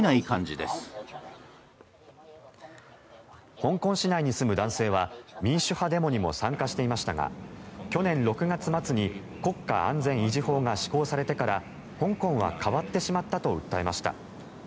香港市内に住む男性は民主派デモにも参加していましたが去年６月末に国家安全維持法が施行されてから香港は変わってしまったと訴えました。